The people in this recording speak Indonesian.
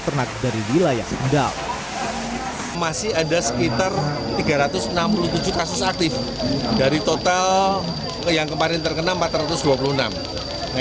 ternak dari wilayah tinggal masih ada sekitar tiga ratus enam puluh tujuh kasus aktif dari total yang kemarin terkena